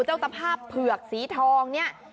เจ้าตะภาพเผือกสีทองเนี่ย